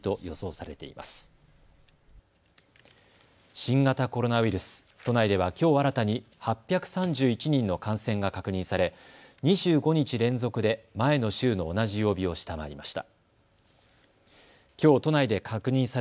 新型コロナウイルス、都内ではきょう新たに８３１人の感染が確認され２５日連続で前の週の同じ曜日を下回りました。